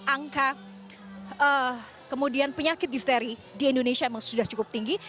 angka kemudian penyakit difteri di indonesia memang sudah cukup tinggi